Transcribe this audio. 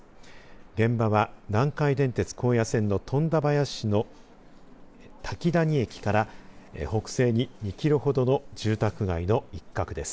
現場は南海電鉄高野線の富田林市の滝谷駅から北西に２キロほどの住宅街の一角です。